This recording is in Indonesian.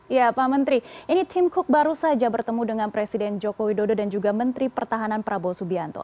ya pak menteri ini tim cook baru saja bertemu dengan presiden joko widodo dan juga menteri pertahanan prabowo subianto